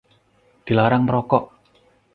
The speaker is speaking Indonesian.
Dilarang merokok!